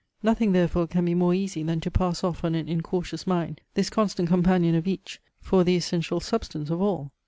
Nothing, therefore, can be more easy than to pass off on an incautious mind this constant companion of each, for the essential substance of all.